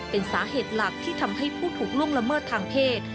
เป็นสาเหตุหลักที่ทำให้ผู้ถูกล่วงละเมิดทางเพศ